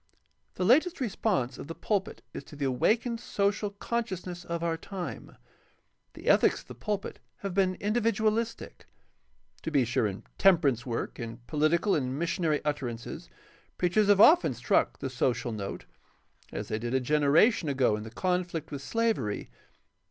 — The latest response of the pul pit is to the awakened social consciousness of our time. The ethics of the pulpit has been individualistic. To be sure, in temperance work, in poHtical and missionary utterances, preachers have often struck the social note, as they did a generation ago in the conflict with slavery.